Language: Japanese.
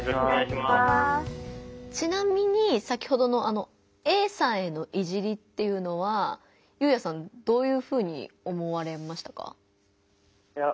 ちなみに先ほどのＡさんへの「いじり」っていうのはゆうやさんどういうふうに思われましたか？